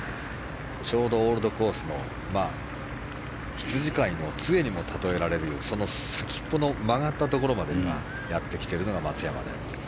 ちょうどオールドコースの羊飼いの杖にもたとえられる先っぽの曲がったところまでやってきているのが松山です。